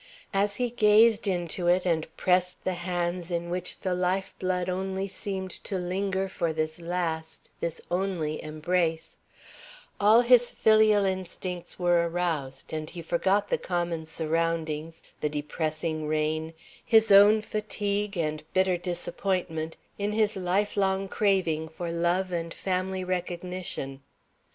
As he gazed into it and pressed the hands in which the life blood only seemed to linger for this last, this only embrace, all his filial instincts were aroused and he forgot the common surroundings, the depressing rain, his own fatigue and bitter disappointment, in his lifelong craving for love and family recognition.